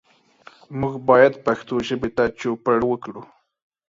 موږ باید پښتو ژبې ته چوپړ وکړو.